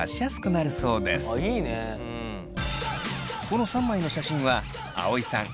この３枚の写真は葵さん